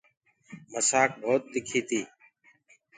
مُسآڪ ڀوت تِکي تي۔